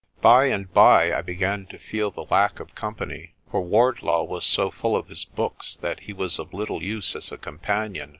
By and by I began to feel the lack of company, for Wardlaw was so full of his books that he was of little use as a companion.